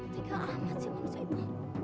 tiga amat sih manusia ini